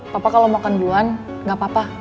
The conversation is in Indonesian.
papa kalau makan duluan gak apa apa